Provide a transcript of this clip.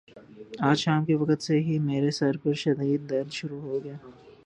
آج شام کے وقت سے ہی میرے سر میں شدد درد شروع ہو گیا۔